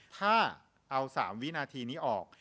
ถ้าเอา๓วินาทีนี้ออก